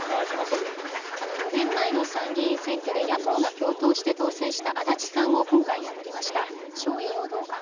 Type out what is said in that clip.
４年前の参議院選挙で、野党が共闘して当選した安達さんを今回、破りました。